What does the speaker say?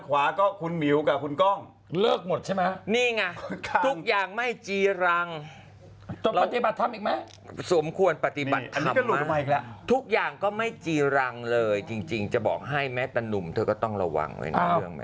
สวมควรปฏิบัติทำมากทุกอย่างก็ไม่จีรังเลยจริงจะบอกให้แม้ประหนุ่มเธอก็ต้องระวังเลยนะ